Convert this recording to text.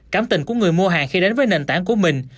cảm tình của người mua hàng khi đến với nền tảng của mình